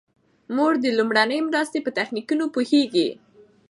مور د لومړنۍ مرستې په تخنیکونو پوهیږي.